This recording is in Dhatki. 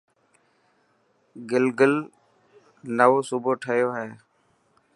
گلگل نوو صوبو ٺهيو هي.